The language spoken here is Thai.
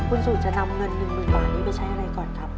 คุณสุจจะนำ๑หมื่นบาทนี่อยู่ไปใช้อะไรกว่าครับ